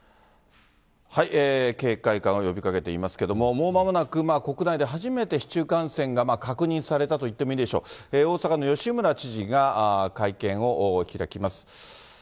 警戒感を呼びかけていますけれども、もうまもなく、国内で初めて市中感染が確認されたといってもいいでしょう、大阪の吉村知事が会見を開きます。